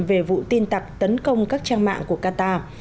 về vụ tin tặc tấn công các trang mạng của qatar